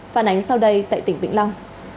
phản ánh sau đây tại tỉnh vĩnh long